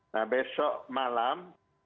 nah besok malam